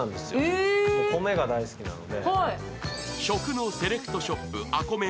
食のセレクトショップ